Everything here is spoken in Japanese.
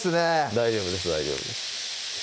大丈夫です大丈夫です